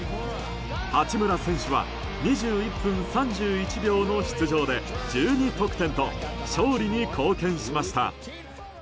八村選手は２１分３１秒の出場で１２得点と勝利に貢献しました。